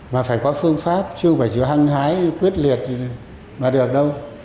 mà phải có phương pháp chứ không phải chỉ hăng hái quyết liệt gì mà được đâu